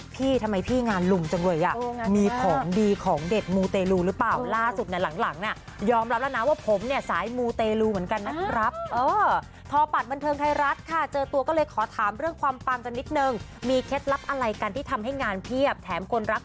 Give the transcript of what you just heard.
คุณผู้ชมไปชาเวดากองเลยค่ะ